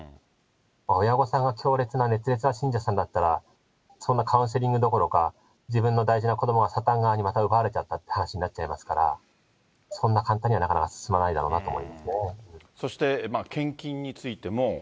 親御さんが強烈な、熱烈な信者さんだったら、そんなカウンセリングどころか、自分の大事な子どもがサタン側に奪われちゃったっていう話になっちゃいますから、そんな簡単にはなかなか進まないだろうなと思いそして献金についても。